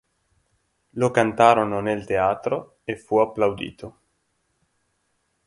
Lo cantarono nel teatro e fu applaudito.